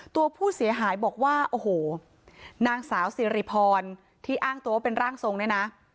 ตัวผู้เสียหายบอกว่าโอ้โหนางสาวสิริพรที่อ้างตัวว่าเป็นร่างทรงเนี่ยนะ